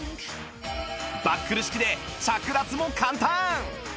バックル式で着脱も簡単！